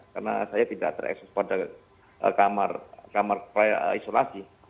karena saya tidak terekspor ke kamar isolasi